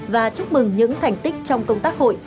và chúc mừng những thành tích trong công tác hội